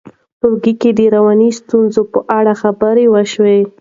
ټولګیو کې د رواني ستونزو په اړه خبرې وشي.